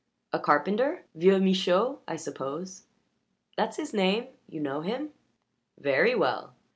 "A carpenter? Vieux Michaud, I suppose?" "That's his name. You know him?" "Very well."